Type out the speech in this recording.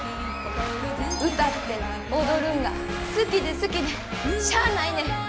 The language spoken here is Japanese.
歌って踊るんが好きで好きでしゃあないねん。